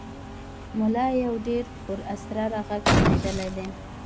ملا یو ډېر پراسرار غږ اورېدلی دی.